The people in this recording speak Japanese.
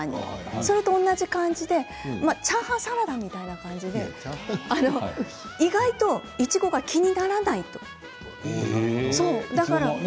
それと同じ感じでチャーハンサラダみたいな感じで意外といちごが気にならないと。